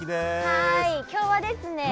はい今日はですね